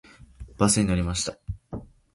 バスに乗りました。